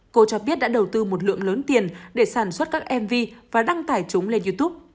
cô cho biết đã đầu tư một lượng lớn tiền để sản xuất các mv và đăng tải chúng lên youtube